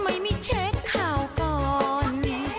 ไม่มีเช็คข่าวก่อน